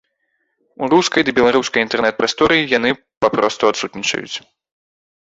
У рускай ды беларускай інтэрнэт-прасторы яны папросту адсутнічаюць.